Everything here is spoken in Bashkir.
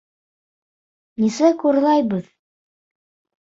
Нисек урлайбыҙ?